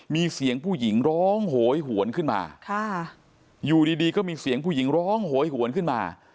มีเสียงผู้หญิงร้องโหยหวนขึ้นมาอยู่ดีก็มีเสียงผู้หญิงร้องโหยหวนขึ้นมา